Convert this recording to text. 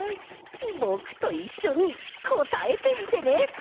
ぼくといっしょにこたえてみてね！